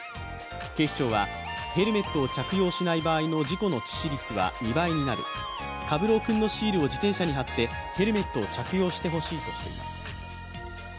警視庁はヘルメットを着用しない場合の事故の致死率は２倍になる、かぶろくんのシールを自転車に貼ってヘルメットを着用してほしいとしています。